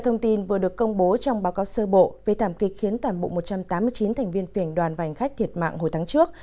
thông tin vừa được công bố trong báo cáo sơ bộ về thảm kịch khiến toàn bộ một trăm tám mươi chín thành viên phiền đoàn và hành khách thiệt mạng hồi tháng trước